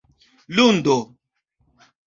lundo